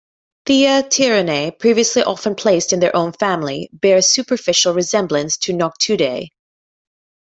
Thyatirinae, previously often placed in their own family, bear a superficial resemblance to Noctuidae.